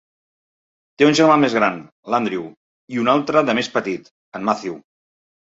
Té un germà més gran, l'Andrew, i un altre de més petit, en Matthew.